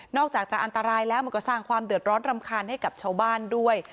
อกจากจะอันตรายแล้วมันก็สร้างความเดือดร้อนรำคาญให้กับชาวบ้านด้วย